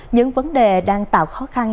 những vấn đề đang tạo khó khăn